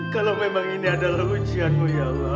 kalau memang ini adalah ujianmu ya allah